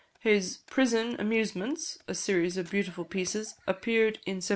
His "Prison Amusements," a series of beautiful pieces, appeared in 1797.